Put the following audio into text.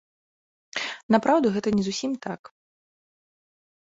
Напраўду гэта не зусім так.